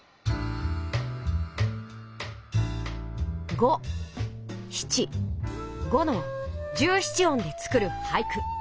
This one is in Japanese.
五七五の十七音で作る俳句。